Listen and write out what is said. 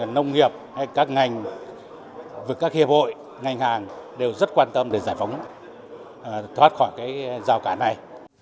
nông nghiệp hay các ngành và các hiệp hội ngành hàng đều rất quan tâm để giải phóng thoát khỏi rào cản này